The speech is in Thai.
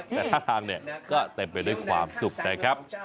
แต่ท่าทางก็แต่งไปด้วยความสุขนะครับ